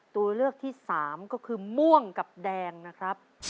ตัวเลือกที่สามก็คือม่วงกับแดงนะครับ